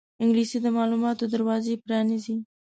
انګلیسي د معلوماتو دروازې پرانیزي